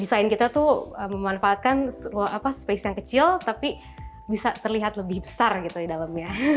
desain kita tuh memanfaatkan space yang kecil tapi bisa terlihat lebih besar gitu di dalamnya